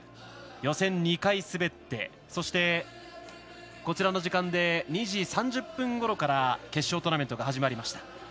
予選、２回滑ってそして、こちらの時間で２時３０分ごろから決勝トーナメントが始まりました。